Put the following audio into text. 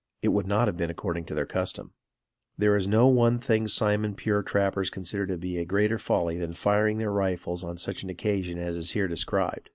It would not have been according to their custom. There is no one thing Simon pure trappers consider to be a greater folly than firing their rifles on such an occasion as is here described.